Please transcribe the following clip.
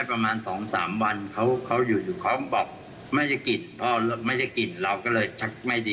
ประมาณอาทิตย์อยู่ที่บ้าน